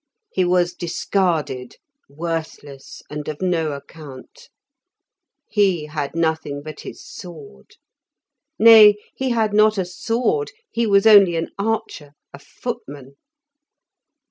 He was discarded, worthless, and of no account; he had nothing but his sword; nay, he had not a sword, he was only an archer, a footman.